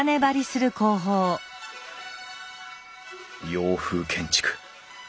洋風建築。